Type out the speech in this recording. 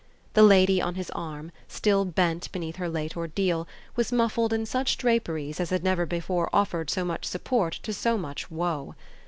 The lady on his arm, still bent beneath her late ordeal, was muffled in such draperies as had never before offered so much support to so much woe.